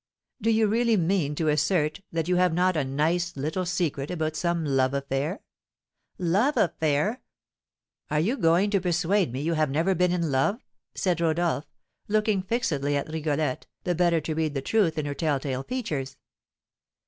"Do you really mean to assert that you have not a 'nice little secret' about some love affair?" "Love affair!" "Are you going to persuade me you have never been in love?" said Rodolph, looking fixedly at Rigolette, the better to read the truth in her telltale features.